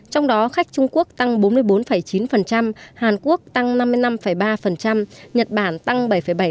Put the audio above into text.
trong đó khách trung quốc tăng bốn mươi bốn chín hàn quốc tăng năm mươi năm ba nhật bản tăng bảy bảy